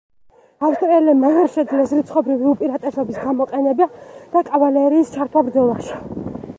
ავსტრიელებმა ვერ შეძლეს რიცხობრივი უპირატესობის გამოყენება და კავალერიის ჩართვა ბრძოლაში.